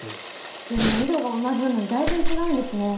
でも緯度が同じなのにだいぶん違うんですね。